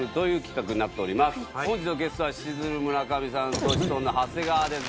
本日のゲストはしずる村上さんとシソンヌ長谷川です。